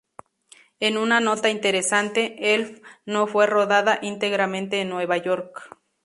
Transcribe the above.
En una nota interesante, Elf no fue rodada íntegramente en Nueva York.